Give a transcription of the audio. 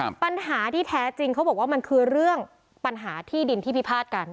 ปัญหาที่แท้จริงเขาบอกว่ามันคือเรื่องปัญหาที่ดินที่พิพาทกัน